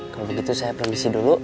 kalau begitu saya premisi dulu